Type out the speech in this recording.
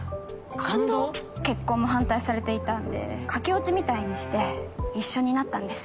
結婚も反対されていたんで駆け落ちみたいにして一緒になったんです。